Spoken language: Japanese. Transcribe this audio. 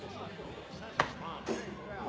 あ？